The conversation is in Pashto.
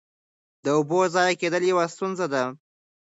د اوبو ضایع کېدل یوه ستونزه ده.